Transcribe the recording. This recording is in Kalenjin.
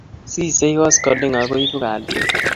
sisei koskoleny aku ibu kalyet